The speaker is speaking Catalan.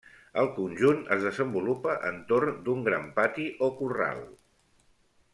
El conjunt es desenvolupa entorn d'un gran pati o corral.